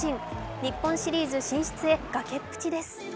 日本シリーズ進出へ崖っぷちです。